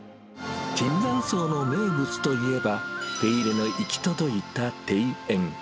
椿山荘の名物といえば、手入れの行き届いた庭園。